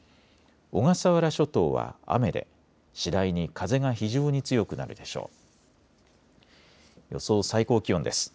小笠原諸島は雨で次第に風が非常に強くなるでしょう。